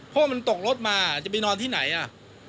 เพราะว่ามันตกรถมาจะไปนอนที่ไหนอ่ะ